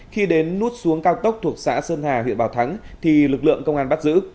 khi đến nút xuống cao tốc thuộc xã sơn hà huyện bảo thắng thì lực lượng công an bắt giữ